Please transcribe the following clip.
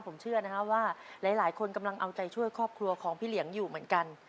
ผมเชื่อนะฮะว่าหลายคนกำลังเอาใจช่วยครอบครัวของพี่เหลียงอยู่เหมือนกัน